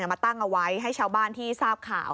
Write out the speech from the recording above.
มาตั้งเอาไว้ให้ชาวบ้านที่ทราบข่าว